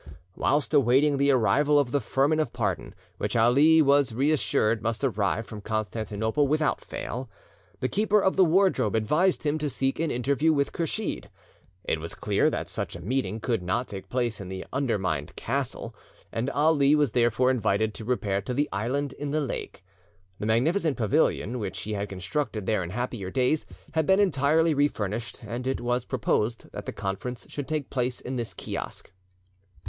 Whilst awaiting the arrival of the firman of pardon which Ali was reassured must arrive from Constantinople without fail, the keeper of the wardrobe advised him to seek an interview with Kursheed. It was clear that such a meeting could not take place in the undermined castle, and Ali was therefore invited to repair to the island in the lake. The magnificent pavilion, which he had constructed there in happier days, had been entirely refurnished, and it was proposed that the conference should take place in this kiosk.